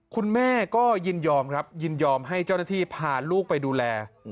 คุณแม่ก็ยินยอมครับยินยอมให้เจ้าหน้าที่พาลูกไปดูแล